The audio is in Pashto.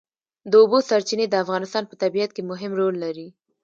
د اوبو سرچینې د افغانستان په طبیعت کې مهم رول لري.